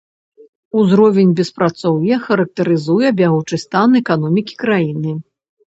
Узровень беспрацоўя характарызуе бягучы стан эканомікі краіны.